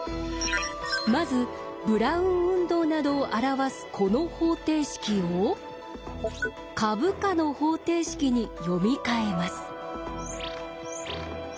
まずブラウン運動などを表すこの方程式を株価の方程式に読み替えます。